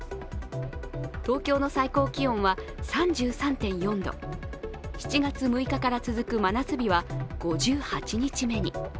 東京の最高気温は３３．４度、７月６日から続く真夏日は５８日目に。